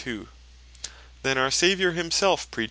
Then our Saviour himself (Mat.